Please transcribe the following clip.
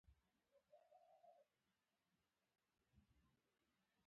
سړي شټوهل د مخ اوږد ټپ سور واوښت.